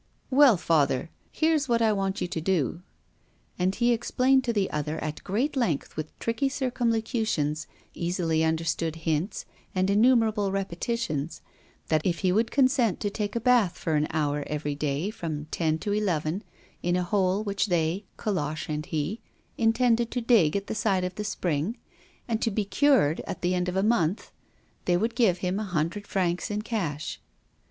"Well, father, here's what I want you to do." And he explained to the other at great length with tricky circumlocutions, easily understood hints, and innumerable repetitions, that, if he would consent to take a bath for an hour every day from ten to eleven in a hole which they, Colosse and he, intended to dig at the side of the spring, and to be cured at the end of a month, they would give him a hundred francs in cash.